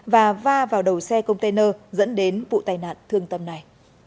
và va vào đầu xe container dẫn đến vụ tai nạn thương tâm này